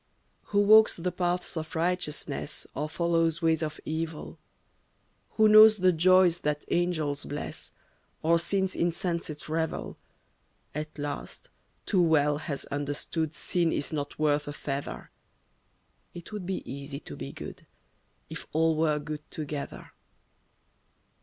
Who walks the paths of righteousness Or follows ways of evil, Who knows the joys that angels bless Or sin's insensate revel, At last, too well has understood Sin is not worth a feather. It would be easy to be good, If all were good together.